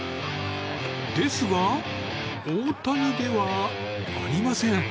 ですが、大谷ではありません。